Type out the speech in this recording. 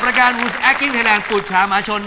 ประการอุ๊สแอคกิ้งไทยแรงปรุษชามาชน